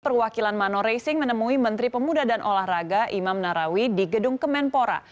perwakilan manor racing menemui menteri pemuda dan olahraga imam narawi di gedung kemenpora